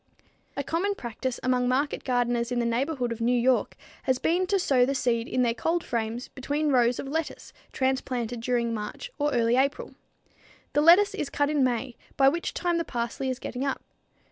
A common practice among market gardeners in the neighborhood of New York has been to sow the seed in their cold frames between rows of lettuce transplanted during March or early April. The lettuce is cut in May, by which time the parsley is getting up.